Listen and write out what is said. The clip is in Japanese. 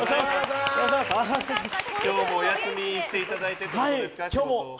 今日もお休みしていただいてってことですか？